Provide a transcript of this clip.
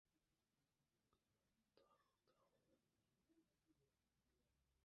Tarixda bugun: Jammu va Kashmir maxsus maqomidan mahrum bo‘ldi